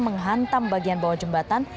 menghantam bagian bawah jembatan